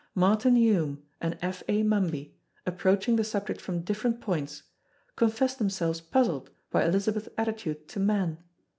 Martin Hume and F. A. Mumby approaching the subject from different points confess themselves puzzled by Elizabeth's attitude to men.